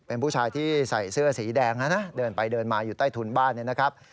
เป็นผู้ชายที่ใส่เสื้อสีแดงนะนะเดินไปเดินมาอยู่ใต้ถุนบ้านเนี่ยนะครับ